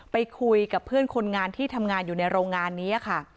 ไปคุยกับเพื่อนคนงานที่ทำงานอยู่ในโรงงานนี้ค่ะ